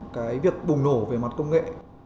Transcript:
cái việc bùng nổ về mặt công nghệ